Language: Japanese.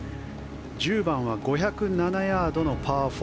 １０番は５０７ヤードのパー４。